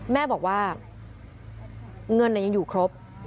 แม่บอกว่าเงินยังอยู่ครบ